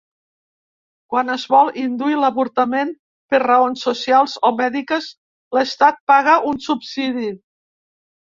Quan es vol induir l'avortament per raons socials o mèdiques, l'estat paga un subsidi.